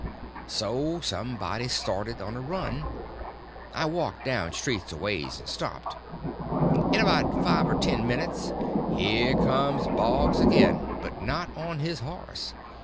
So somebody started on a run. I walked down street a ways and stopped. In about five or ten minutes here comes Boggs again, but not on his horse.